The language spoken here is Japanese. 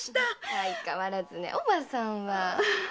相変わらずねおばさんは。